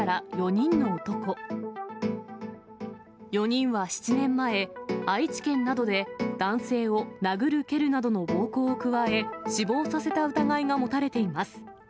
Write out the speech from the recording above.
４人は７年前、愛知県などで男性に殴る蹴るなどの暴行を加え、死亡させた疑いが持たれています。